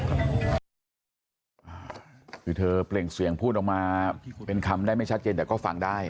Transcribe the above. หุ่นที่เสื้อมั้ยไหมเธอเปลี่ยนเสียงพูดออกมาเป็นคำได้ไม่ชัดเย็นแต่ก็ฟังได้